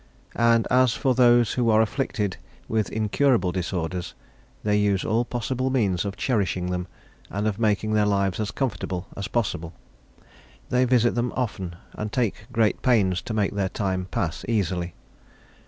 And as for those who are afflicted with incurable disorders, they use all possible means of cherishing them, and of making their lives as comfortable as possible; they visit them often, and take great pains to make their time pass easily.